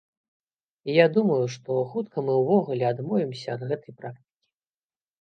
І я думаю, што хутка мы ўвогуле адмовімся ад гэтай практыкі.